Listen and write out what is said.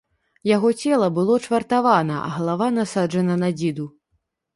Яго цела было чвартавана, а галава насаджана на дзіду.